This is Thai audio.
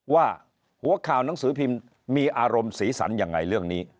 ว่าหัวข่าวหนังสือพิมพ์มีอารมณ์สีสันยังไงเรื่องนี้